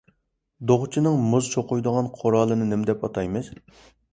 دوغچىنىڭ مۇز چوقۇيدىغان قورالىنى نېمە دەپ ئاتايمىز؟